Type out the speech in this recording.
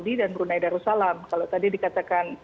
denda paling sedikit